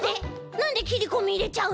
なんできりこみいれちゃうの？